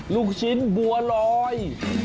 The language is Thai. ลูกชิ้นบัวลอย